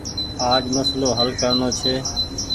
آج مسلو هل ڪرڻو ڇي۔